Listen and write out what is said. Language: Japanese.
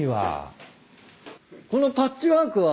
このパッチワークは？